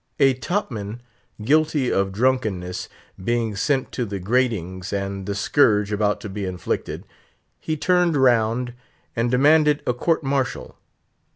A top man guilty of drunkenness being sent to the gratings, and the scourge about to be inflicted, he turned round and demanded a court martial.